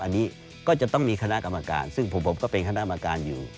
อันนี้ก็จะต้องมีคณะกรรมการซึ่งผมก็เป็นคณะกรรมการอยู่